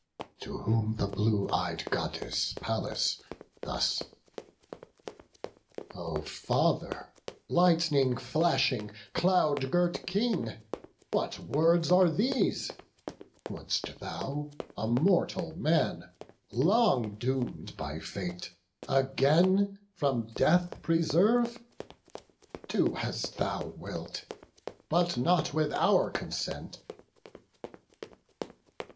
To whom the blue ey'd Goddess, Pallas, thus: "O Father, lightning flashing, cloud girt King, What words are these? wouldst thou a mortal man, Long doom'd by fate, again from death preserve? Do as thou wilt, but not with our consent."